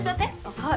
はい。